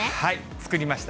作りました。